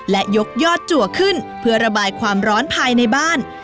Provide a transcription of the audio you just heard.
และยกยอดจัวขึ้นเพื่อระบายความร้อนภายในบ้าน